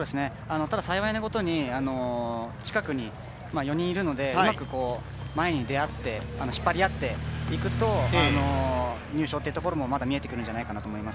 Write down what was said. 幸いなことに近くに４人いるのでうまく前に出あって引っ張り合っていくと、入賞っていうところもまだ見えてくるんじゃないかなと。